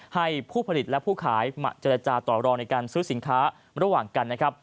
ให้ผู้ผลิตและผู้ขายมาเจรจาต่อรองในการซื้อสินค้าระหว่างกันนะครับ